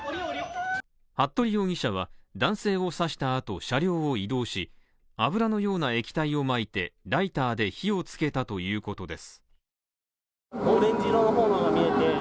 服部容疑者は男性を刺した後車両を移動し、油のような液体をまいてライターで火をつけたということです。